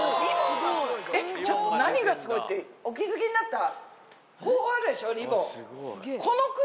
えっちょっと何がスゴいってお気付きになった？